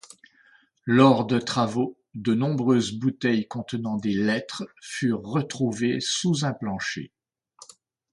Lors de travaux, de nombreuses bouteilles contenant des lettres furent retrouvées sous un plancher.